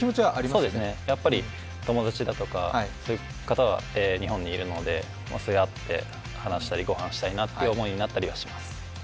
そうですね、やっぱり友達だとか、そういう方は日本にいるので、会って話したり御飯したいなという思いになったりします。